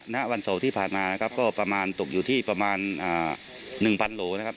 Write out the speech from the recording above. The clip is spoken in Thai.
ณวันโสที่ผ่านมานะครับก็ประมาณตกอยู่ที่ประมาณอ่าหนึ่งพันโลนะครับ